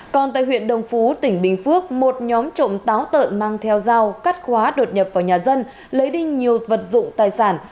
còn tại huyện đồng phú tỉnh bình phước một nhóm trộm táo tợn mang theo dao cắt khóa đột nhập vào nhà dân lấy đi nhiều vật dụng tài sản